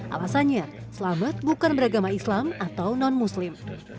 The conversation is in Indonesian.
alasannya selamat bukan beragama islam atau non muslim